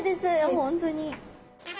本当に！